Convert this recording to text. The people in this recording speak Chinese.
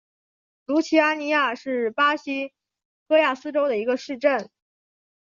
卢齐阿尼亚是巴西戈亚斯州的一个市镇。